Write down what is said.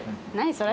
それ。